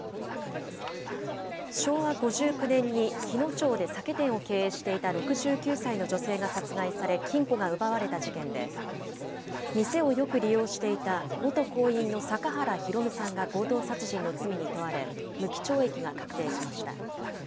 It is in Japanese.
昭和５９年に日野町で酒店を経営していた６９歳の女性が殺害され金庫が奪われた事件で、店をよく利用していた元工員の阪原弘さんが強盗殺人の罪に問われ、無期懲役が確定しました。